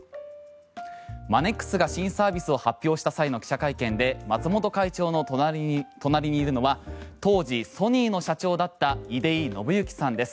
マネックスが新サービスを発表した際の記者会見で松本会長の隣にいるのは当時、ソニーの社長だった出井伸之さんです。